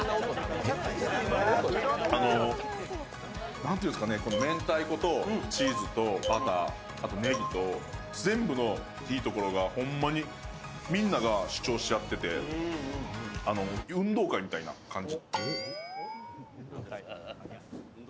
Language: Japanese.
何ていうんすかね、めんたいことバター、チーズ、バター、あとねぎの全部のいいところがホンマにみんなが主張し合ってて運動会みたいな感じ。